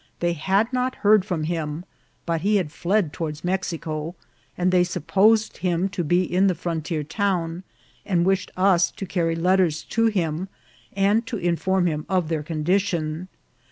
They had not heard from him, but he had fled toward Mex ico, and they supposed him to be in the frontier town, and wished us to carry letters to him, and to inform him of their condition.